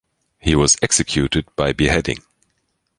He was executed by beheading.